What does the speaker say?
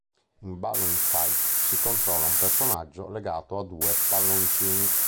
In "Balloon Fight" si controlla un personaggio legato a due palloncini.